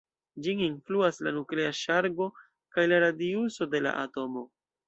Ĝin influas la nuklea ŝargo kaj la radiuso de la atomo.